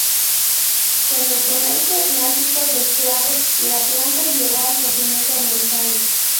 Con el comercio atlántico de esclavos la planta llegó al continente americano.